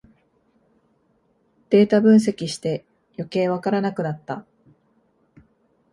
データ分析してよけいわからなくなった